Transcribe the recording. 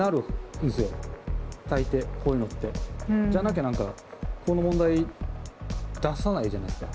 じゃなきゃ何かこの問題出さないじゃないですか。